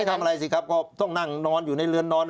ทำอะไรสิครับก็ต้องนั่งนอนอยู่ในเรือนนอน